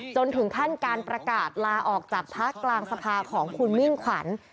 จนถึงขั้นการประกาศลาออกจากพักกลางสภาของคุณมิ่งขวัญ